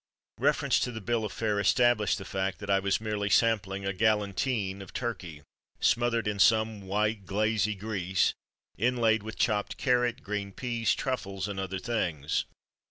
Reference to the bill of fare established the fact that I was merely sampling a galantine of turkey, smothered in some white glazy grease, inlaid with chopped carrot, green peas, truffles, and other things.